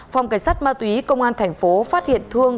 phòng cảnh sát ma túy công an thành phố phát hiện thương